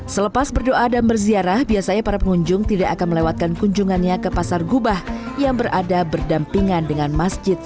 selepas berdoa dan berziarah biasanya para pengunjung tidak akan melewatkan kunjungannya ke pasar gubah yang berada berdampingan dengan masjid